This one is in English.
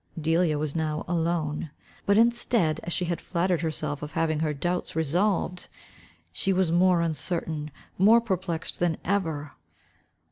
Delia was now alone. But instead, as she had flattered herself of having her doubts resolved, she was more uncertain, more perplexed than ever.